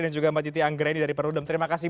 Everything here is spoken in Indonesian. dan juga mbak jiti anggreni dari perudem terima kasih